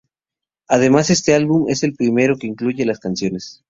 Además este álbum es el primero que incluye las canciones.